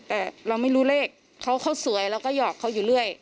แต่เราไม่รู้เลขเขาสวยเราก็หอกเขาอยู่เรื่อย